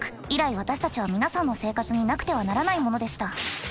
以来私たちは皆さんの生活になくてはならないものでした。